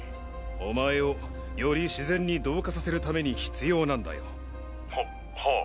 お前をより自然に同化させるために必要なんだよ。ははぁ。